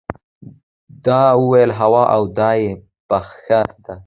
ده وویل هو او دا یې نخښه ده.